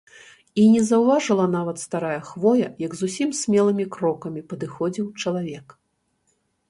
І не заўважыла нават старая хвоя, як зусім смелымі крокамі падыходзіў чалавек.